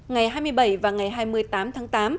ngày hai mươi bảy và ngày hai mươi tám tháng tám